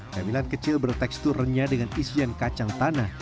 camilan kecil bertekstur renyah dengan isian kacang tanah